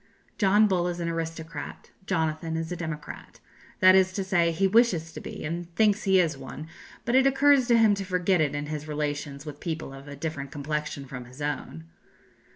John Bull is an aristocrat; Jonathan is a democrat that is to say, he wishes to be, and thinks he is one; but it occurs to him to forget it in his relations with people of a different complexion from his own.